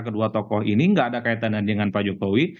kedua tokoh ini nggak ada kaitannya dengan pak jokowi